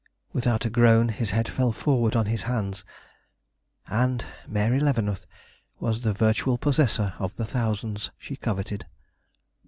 Without a groan his head fell forward on his hands, and Mary Leavenworth was the virtual possessor of the thousands she coveted.